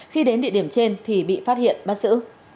khi đến địa điểm trên thì bị phát hiện bắt giữ